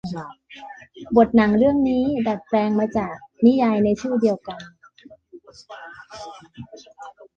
บทหนังเรื่องนี้ดัดแปลงมาจากนิยายในชื่อเดียวกัน